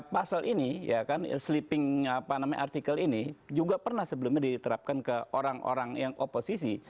pasal ini ya kan sleeping artikel ini juga pernah sebelumnya diterapkan ke orang orang yang oposisi